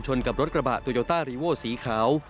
กับรถกระบะโตโยต้ารีโวสีขาว